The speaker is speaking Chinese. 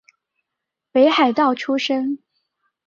北海道出身。